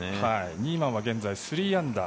ニーマンは現在３アンダー。